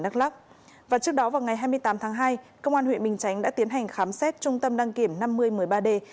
trước đó vào ngày hai mươi tám tháng hai công an huyện bình chánh đã tiến hành khám xét trung tâm đăng kiểm năm mươi một mươi ba d